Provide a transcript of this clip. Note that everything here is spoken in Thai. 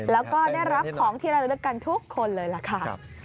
แล้วก็ได้รับของที่ระลึกกันทุกคนเลยล่ะค่ะ